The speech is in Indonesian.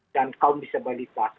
dan kaum disebalitas